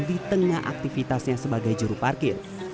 di tengah aktivitasnya sebagai juru parkir